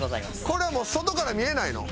これはもう外から見えないの？